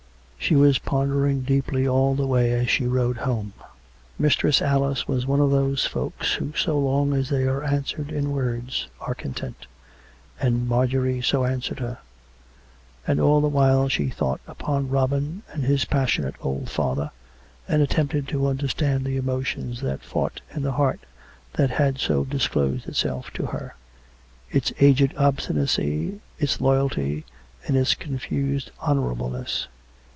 She was pondering deeply all the way as she rode home. Mistress Alice was one of those folks who so long as they are answered in words are content; and Marjorie so answered her. And all the while she thought upon Robin, and his passionate old father, and attempted to understand COME RACK! COME ROPE! 215 the emotions that fought in the heart that had so disclosed itself to her — its aged obstinacy, its loyalty and its confused honourableness.